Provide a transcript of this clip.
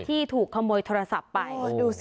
ที่ถูกขโมยโทรศัพท์ไปดูสิ